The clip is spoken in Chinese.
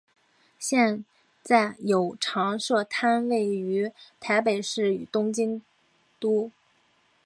现在有常设摊位于台北市与东京都。